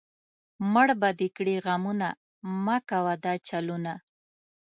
مړ به دې کړي غمونه، مۀ کوه دا چلونه